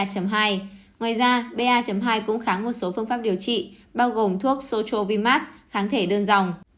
ngoài ra ba hai cũng kháng một số phương pháp điều trị bao gồm thuốc socho vimat kháng thể đơn dòng